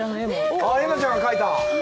エンナちゃんが描いた？